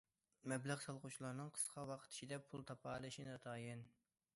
مەبلەغ سالغۇچىلارنىڭ قىسقا ۋاقىت ئىچىدە پۇل تاپالىشى ناتايىن.